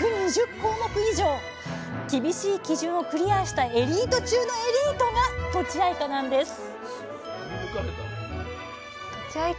厳しい基準をクリアしたエリート中のエリートがとちあいかなんですいや